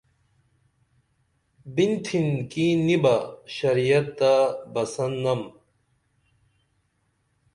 بِنتھین کی نی بہ شریعت تہ بسن نم